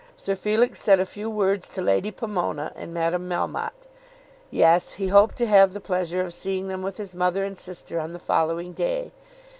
Sir Felix said a few words to Lady Pomona and Madame Melmotte. Yes; he hoped to have the pleasure of seeing them with his mother and sister on the following day.